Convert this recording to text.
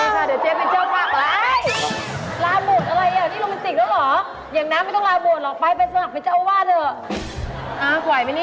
เห้อเดี๋ยวเจ้าไปเจ้าว่าย